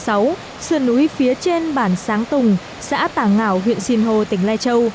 sườn núi phía trên bản sáng tùng xã tà ngạo huyện sinh hồ tỉnh lai châu